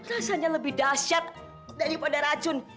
rasanya lebih dahsyat daripada racun